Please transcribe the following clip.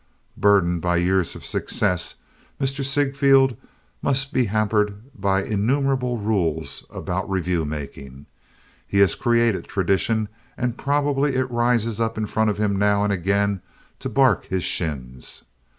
Burdened by years of success, Mr. Ziegfeld must be hampered by innumerable rules about revue making. He has created tradition and probably it rises up in front of him now and again to bark his shins.